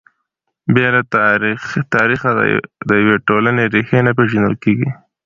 بې له تاریخه د یوې ټولنې ريښې نه پېژندل کیږي.